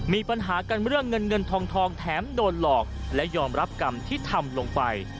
มีปัญหากันเรื่องเงินเงินทองแถมโดนหลอกและยอมรับกรรมที่ทำลงไป